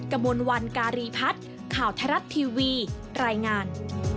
กระมวลวันการีพัฒน์ข่าวไทยรัฐทีวีรายงาน